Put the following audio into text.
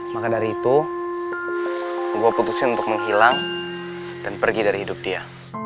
maka dari itu gue putusin untuk menghilang dan pergi dari hidup dia